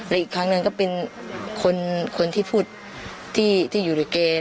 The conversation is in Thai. และอีกครั้งหนึ่งก็เป็นคนคนที่พูดที่อยู่ด้วยเกรียร์